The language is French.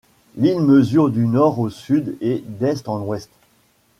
L'île mesure du nord au sud et d'est en ouest.